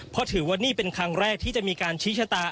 เพราะถือว่านี่เป็นครั้งแรกที่จะมีการชี้ชะตา